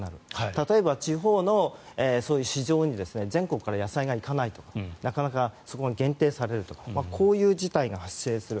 例えば地方のそういう市場に全国から野菜が行かないとかなかなかそこに限定されるとかこういう事態が発生する。